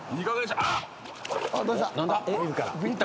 「どうした？